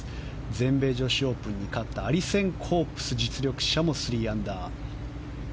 全米女子オープンに勝ったアリセン・コープス実力者も３アンダー。